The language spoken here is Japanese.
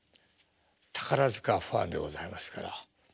宝塚ファンでございますから。